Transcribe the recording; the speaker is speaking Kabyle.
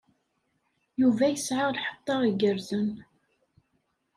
Yuba yesɛa lḥeṭṭa igerrzen.